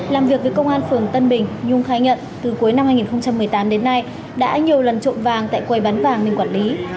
làm việc với công an phường tân bình nhung khai nhận từ cuối năm hai nghìn một mươi tám đến nay đã nhiều lần trộm vàng tại quầy bán vàng nên quản lý